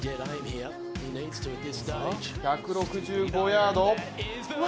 １６５ヤード。